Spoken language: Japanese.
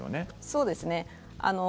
そうですね。